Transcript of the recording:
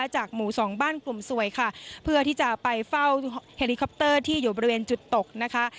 จากหมู่สองบ้านกลุ่มสวยค่ะเพื่อที่จะไปเฝ้าเฮลิคอปเตอร์ที่อยู่บริเวณจุดตกนะคะ